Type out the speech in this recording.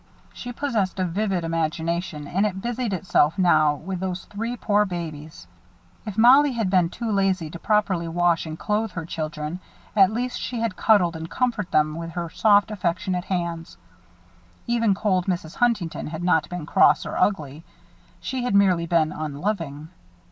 She possessed a vivid imagination and it busied itself now with those three poor babies. If Mollie had been too lazy to properly wash and clothe her children, at least she had cuddled and comforted them with her soft, affectionate hands. Even cold Mrs. Huntington had not been cross or ugly. She had merely been unloving.